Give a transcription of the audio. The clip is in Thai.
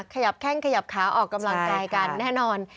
ขยับแข้งขยับขาออกกำลังกายกันแน่นอน